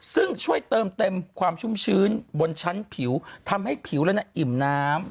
ซึ่งช่วยเติมเต็มความชุ่มชื้นบนชั้นผิวทำให้ผิวนั้นอิ่มน้ำ